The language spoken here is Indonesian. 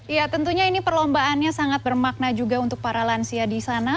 ya tentunya ini perlombaannya sangat bermakna juga untuk para lansia di sana